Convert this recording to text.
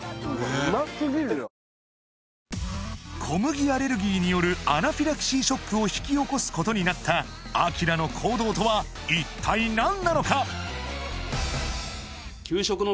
小麦アレルギーによるアナフィラキシーショックを引き起こすことになったアキラの行動とは一体何なのか？